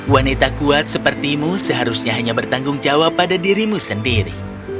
wanita kuat sepertimu seharusnya hanya bertanggung jawab pada dirimu sendiri